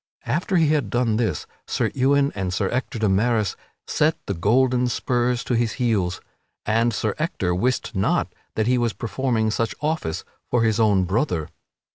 After he had done this Sir Ewain and Sir Ector de Maris set the golden spurs to his heels, and Sir Ector wist not that he was performing such office for his own brother.